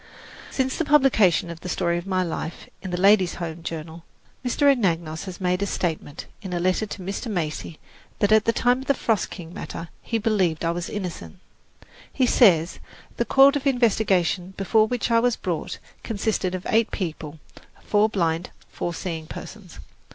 Since the publication of "The Story of My Life" in the Ladies' Home Journal, Mr. Anagnos has made a statement, in a letter to Mr. Macy, that at the time of the "Frost King" matter, he believed I was innocent. He says, the court of investigation before which I was brought consisted of eight people: four blind, four seeing persons.